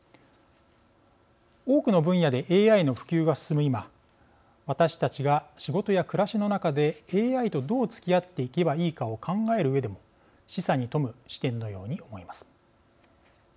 多くの分野でＡＩの普及が進む今私たちが仕事や暮らしの中でＡＩとどうつき合っていけばいいのかを考えるうえでも示唆に富む視点のように思います。